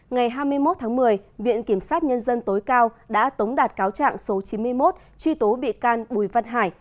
ngày hai mươi một tháng một mươi viện kiểm sát nhân dân tối cao đã tống đạt cáo trạng số chín mươi một truy tố bị can bùi văn hải